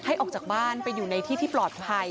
ออกจากบ้านไปอยู่ในที่ที่ปลอดภัย